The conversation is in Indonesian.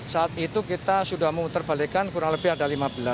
saat itu kita sudah memutar balikan kurang lebih ada lima belas